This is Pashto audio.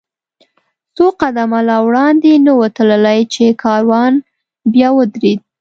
څو قدمه لا وړاندې نه و تللي، چې کاروان بیا ودرېد.